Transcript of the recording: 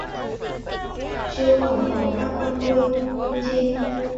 Chưa khỏi vòng đã cong đuôi: như trên